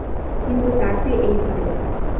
কিন্তু তার চেয়ে এই ভালো।